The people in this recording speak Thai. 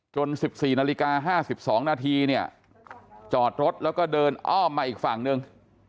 ๑๔นาฬิกา๕๒นาทีเนี่ยจอดรถแล้วก็เดินอ้อมมาอีกฝั่งหนึ่ง